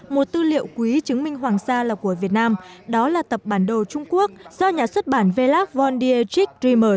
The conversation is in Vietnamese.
một tư liệu quý chứng minh hoàng sa là của việt nam đó là tập bản đồ trung quốc do nhà xuất bản velab von dietrich riemer